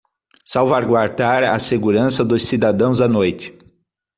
Salvaguardar a segurança dos cidadãos à noite